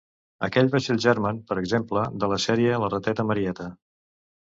Aquell va ser el germen, per exemple, de la sèrie ‘La rateta Marieta’.